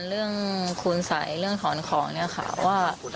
เรื่องคุณสัยเรื่องถอนของเนี่ยค่ะว่า